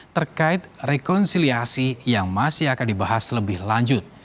terkait rekonsiliasi yang masih akan dibahas lebih lanjut